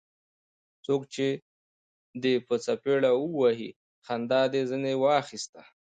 څوک چي دي په څپېړه ووهي؛ خندا دي ځني واخسته.